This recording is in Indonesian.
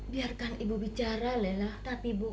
biarkan ibu bicara lelah tapi bu